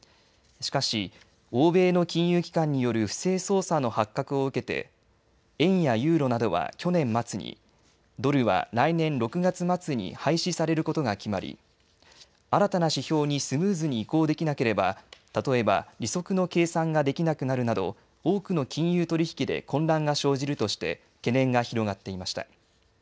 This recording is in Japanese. しかし欧米の金融機関による不正操作の発覚を受けて円やユーロなどは去年末に、ドルは来年６月末に廃止されることが決まり新たな指標にスムーズに移行できなければ例えば利息の計算ができなくなるなど多くの金融取引で混乱が生じるとして懸念が広がっていました。